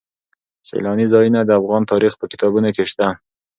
سیلاني ځایونه د افغان تاریخ په کتابونو کې شته.